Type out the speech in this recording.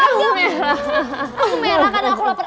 kamu merah karena aku lapar